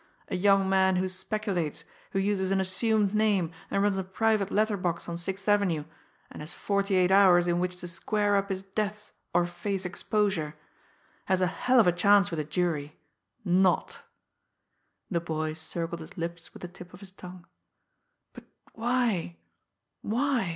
A young man who speculates, who uses an assumed name, and runs a private letter box on Sixth Avenue, and has forty eight hours in which to square up his debts or face exposure, has a hell of a chance with a jury not!" The boy circled his lips with the tip of his tongue. "But why why?"